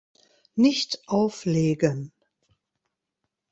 Nicht auflegen!